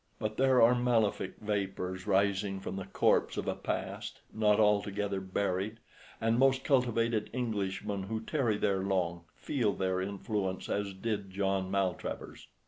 But there are malefic vapours rising from the corpse of a past not altogether buried, and most cultivated Englishmen who tarry there long feel their influence as did John Maltravers.